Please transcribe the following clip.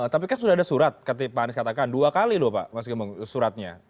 tapi kan sudah ada surat pak anies katakan dua kali loh pak mas gembong suratnya